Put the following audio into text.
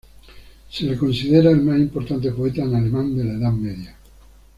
Se le considera el más importante poeta en alemán de la Edad Media.